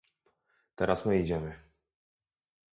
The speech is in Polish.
Teraz my idziemy